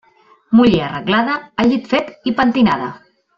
Muller arreglada, el llit fet i pentinada.